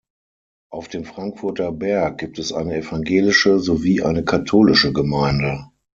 Auf dem Frankfurter Berg gibt es eine evangelische sowie eine katholische Gemeinde.